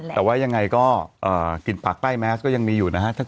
แต่ว่ายังไงก็กลิ่นผักใต้แมสก็ยังมีอยู่นะฮะ